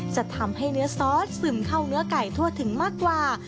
จะทำให้เนื้อซอสซึมเข้าเนื้อไก่ทั่วถึงมากกว่า